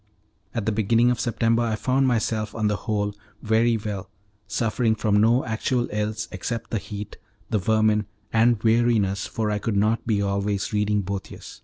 At the beginning of September I found myself, on the whole, very well, suffering from no actual ills except the heat, the vermin, and weariness, for I could not be always reading Boethius.